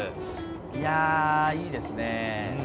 いや、いいですね。